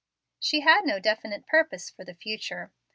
She had no definite purpose for the future.